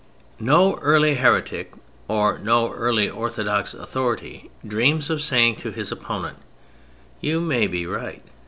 No early heretic or no early orthodox authority dreams of saying to his opponent: "You may be right!